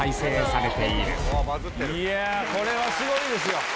これはすごいですよ。